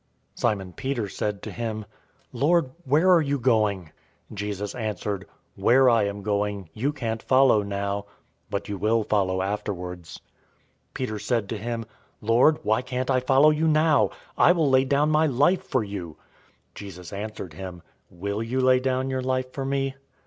013:036 Simon Peter said to him, "Lord, where are you going?" Jesus answered, "Where I am going, you can't follow now, but you will follow afterwards." 013:037 Peter said to him, "Lord, why can't I follow you now? I will lay down my life for you." 013:038 Jesus answered him, "Will you lay down your life for me?